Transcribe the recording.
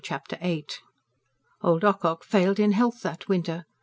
Chapter VIII Old Ocock failed in health that winter.